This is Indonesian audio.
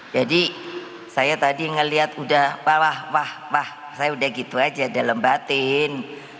jadi saya tadi ngeliat udah wah wah wah saya udah gitu aja dalam batin